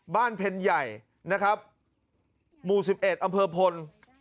เพ็ญใหญ่นะครับหมู่๑๑อำเภอพล